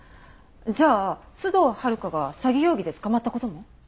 じゃあ須藤温香が詐欺容疑で捕まった事も？